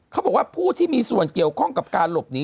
เขาบอกว่าผู้ที่มีส่วนเกี่ยวข้องกับการหลบหนี